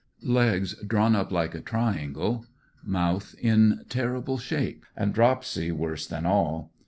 Legs drawn up like a triangle, mouth in terrible shape, and dropsy worse than all.